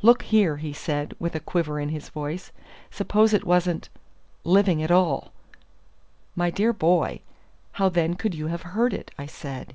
"Look here," he said, with a quiver in his voice; "suppose it wasn't living at all!" "My dear boy, how then could you have heard it?" I said.